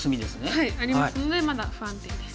はいありますのでまだ不安定です。